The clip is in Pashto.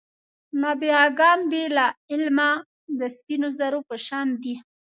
نابغه ګان بې له علمه د سپینو زرو په شان دي.